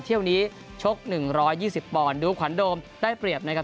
เที่ยวนี้ชก๑๒๐ปอนด์ดูขวัญโดมได้เปรียบนะครับ